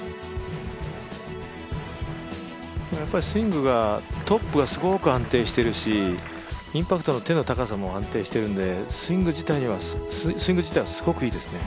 スイングがトップがすごく安定しているし、インパクトの手の高さも安定しているんでスイング自体はすごくいいですね。